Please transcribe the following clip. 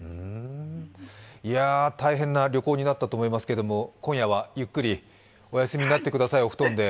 大変な旅行になったと思いますが今夜はゆっくりお休みになってください、お布団で。